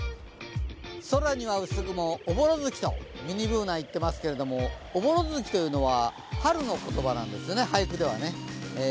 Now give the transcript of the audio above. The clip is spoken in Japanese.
空には薄雲、おぼろ月とミニＢｏｏｎａが言っていますけどおぼろ月というのは春の言葉なんですよね、俳句ではね。